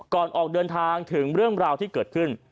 ออกเดินทางถึงเรื่องราวที่เกิดขึ้น